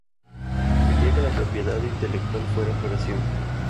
quería que la propiedad intelectual fuera para siempre